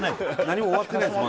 何も終わってないです